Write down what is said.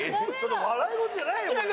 笑い事じゃないよこれ。